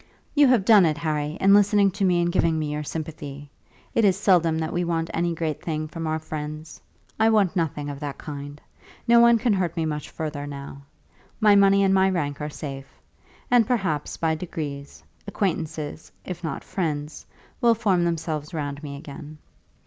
"You have done it, Harry, in listening to me and giving me your sympathy. It is seldom that we want any great thing from our friends. I want nothing of that kind. No one can hurt me much further now. My money and my rank are safe; and, perhaps, by degrees, acquaintances, if not friends, will form themselves round me again.